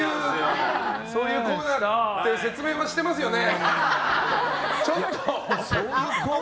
そういうコーナーって説明はしてますよね？